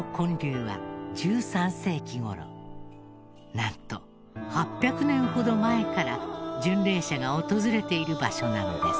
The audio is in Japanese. なんと８００年ほど前から巡礼者が訪れている場所なのです。